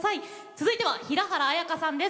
続いては平原綾香さんです。